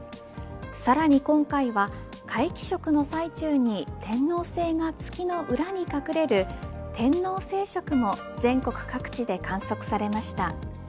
さらに今回は皆既食の際中に天王星が月の裏に隠れる天王星食も全国各地で観測されました。